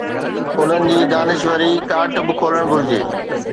انهن جي دانشوري ڳاٽ به کولڻ گهرجي.